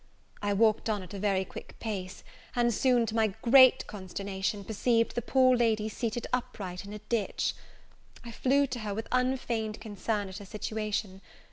I walked on at a very quick pace, and soon, to my great consternation, perceived the poor lady seated upright in a ditch. I flew to her with unfeigned concern at her situation.